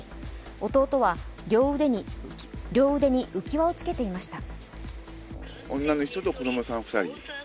弟は両腕に浮き輪をつけていました。